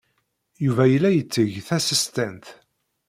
Yuba yella yetteg tasestant.